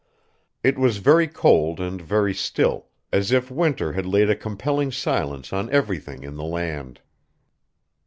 It was very cold and very still, as if winter had laid a compelling silence on everything in the land.